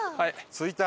着いた！